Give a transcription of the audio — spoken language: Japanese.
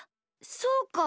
そうか。